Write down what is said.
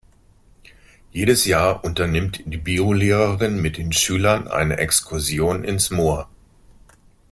Jedes Jahr unternimmt die Biolehrerin mit den Schülern eine Exkursion ins Moor.